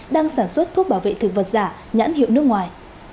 đang sản xuất thuốc bảo vệ thực vật giả nhãn hiệu nước ngoài